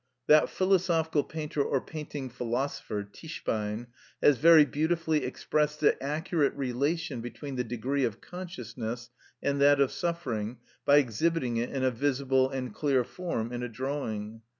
_ That philosophical painter or painting philosopher, Tischbein, has very beautifully expressed the accurate relation between the degree of consciousness and that of suffering by exhibiting it in a visible and clear form in a drawing.